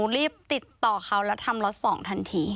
รีบติดต่อเขาแล้วทำล็อต๒ทันที